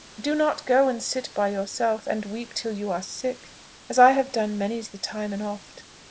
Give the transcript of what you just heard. Do not go and sit by yourself and weep till you are sick, as I have done many's the time and oft.